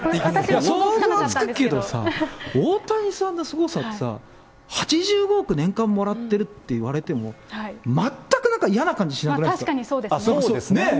想像はつくけどさ、大谷さんのすごさってさ、８５億、年間もらってるっていわれても、全くなんか嫌な感じしなくないですか？